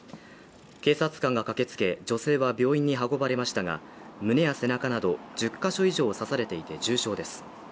警察官が駆け付け、女性は病院に運ばれましたが、胸や背中など１０ヶ所以上刺されていて重傷です。